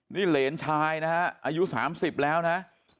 นี่เหรนชายนะฮะอายุ๓๐แล้วนะ